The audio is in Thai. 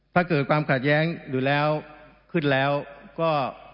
ถ้าเกิดความขัดแย้งอยู่แล้วขึ้นแล้วก็